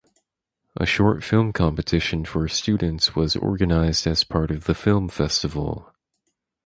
A short film competition for students was organized as part of the film festival.